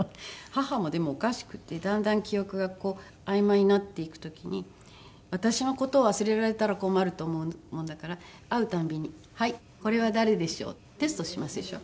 母もでもおかしくてだんだん記憶がこうあいまいになっていく時に私の事を忘れられたら困ると思うもんだから会う度に「はいこれは誰でしょう？」ってテストしますでしょ。